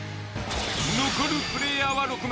残るプレーヤーは６名。